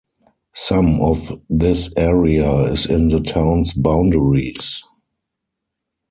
Some of this area is in the town's boundaries.